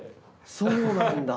そうなんだ。